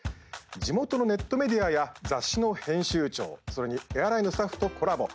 地元のネットメディアや雑誌の編集長それにエアラインのスタッフとコラボ。